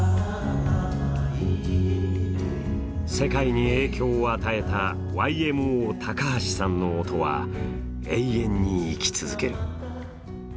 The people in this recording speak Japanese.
世界に影響を与えたＹＭＯ・高橋さんの音は永遠に生き続ける。